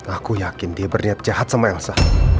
aku yakin dia berniat jahat sama elsa